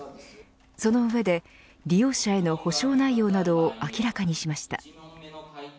その上で利用者への補償内容などを明らかにしました。